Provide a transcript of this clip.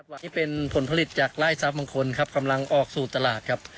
วันนี้เป็นผลผลิตจากไล่ทรัพย์บางคนครับกำลังออกสู่ตลาดครับ